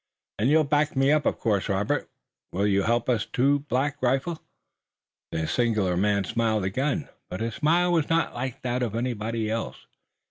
"And you'll back me up, of course, Robert. Will you help us too, Black Rifle?" The singular man smiled again, but his smile was not like that of anybody else.